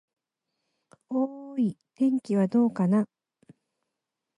おーーい、天気はどうかな。